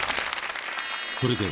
それでは